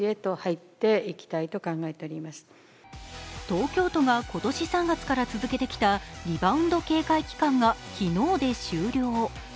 東京都が今年３月から続けてきたリバウンド警戒期間が昨日で終了。